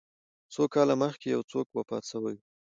څو کاله مخکي یو څوک وفات سوی و